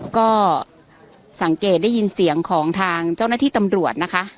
ก็สังเกตได้ยินเสียงของทางเจ้าหน้าที่ตำรวจนะคะ